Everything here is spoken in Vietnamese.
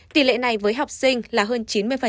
tỷ lệ này với học sinh là hơn chín mươi